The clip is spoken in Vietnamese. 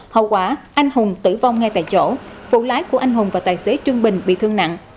hậu quả anh hùng tử vong ngay tại chỗ phụ lái của anh hùng và tài xế trương bình bị thương nặng